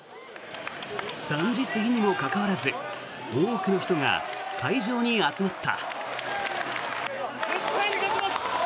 ３時過ぎにもかかわらず多くの人が会場に集まった。